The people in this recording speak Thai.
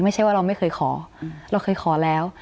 ไม่ใช่ว่าเราไม่เคยขอเราเคยขอแล้ว